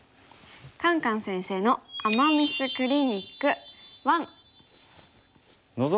「カンカン先生の“アマ・ミス”クリニック１」。